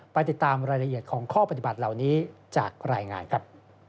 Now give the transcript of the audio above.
ไปติดตามรายละเอียดของข้อปฏิบัติเหล่านี้จากรายงานครับ